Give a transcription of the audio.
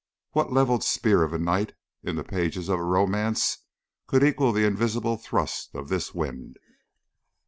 What leveled spear of a knight, in the pages of romance, could equal the invisible thrust of this wind?